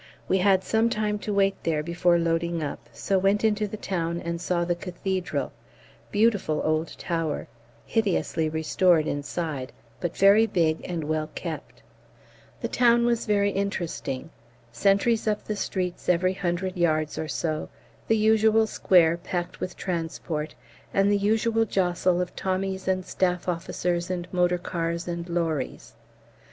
We had some time to wait there before loading up, so went into the town and saw the Cathedral beautiful old tower, hideously restored inside, but very big and well kept. The town was very interesting. Sentries up the streets every hundred yards or so; the usual square packed with transport, and the usual jostle of Tommies and staff officers and motor cars and lorries.